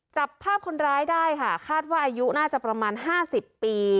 จับภาพคนร้ายได้ค่ะคาดว่าอายุน่าจะประมาณ๕๐ปี